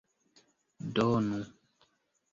donu